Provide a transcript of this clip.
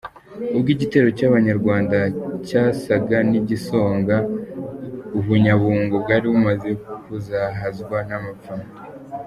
Ubwo igitero cy’Abanyarwanda cyasaga n’igisonga U Bunyabungo bwari bumaze kuzahazwa n’amapfa.